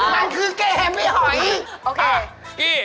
มันคือเกมพี่หอย